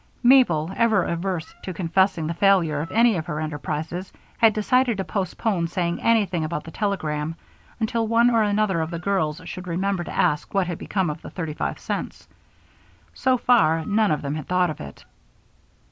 Mabel, ever averse to confessing the failure of any of her enterprises, had decided to postpone saying anything about the telegram until one or another of the girls should remember to ask what had become of the thirty five cents. So far, none of them had thought of it.